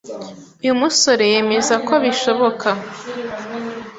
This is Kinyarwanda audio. Uyu musore yemeza ko bishoboka